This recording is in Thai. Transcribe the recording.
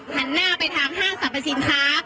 หันหน้าไปทางห้างสรรพสินค้า